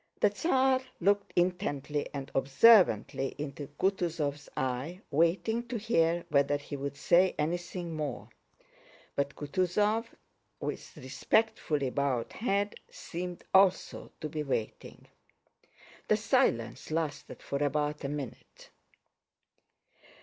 The Tsar looked intently and observantly into Kutúzov's eye waiting to hear whether he would say anything more. But Kutúzov, with respectfully bowed head, seemed also to be waiting. The silence lasted for about a minute.